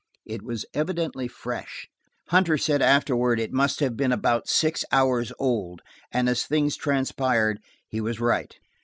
It was evidently fresh–Hunter said afterward it must have been about six hours old, and as things transpired, he was right.